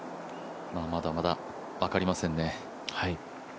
まだまだ分かりませんね。